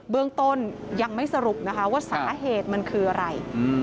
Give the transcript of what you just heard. เรื่องต้นยังไม่สรุปนะคะว่าสาเหตุมันคืออะไร